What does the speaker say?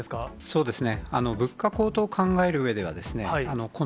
そうですね。